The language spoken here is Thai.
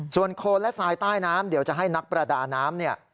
ส่วนโคนและทรายใต้น้ำเดี๋ยวจะให้นักประดาน้ำเนี่ย